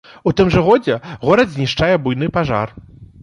У тым жа годзе горад знішчае буйны пажар.